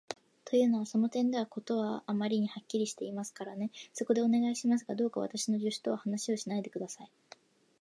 というのは、その点では事はあまりにはっきりしていますからね。そこで、お願いしますが、どうか私の助手とは話をしないで下さい。